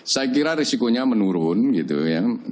saya kira risikonya menurun gitu ya